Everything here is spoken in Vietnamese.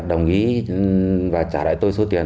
đồng ý và trả lại tôi số tiền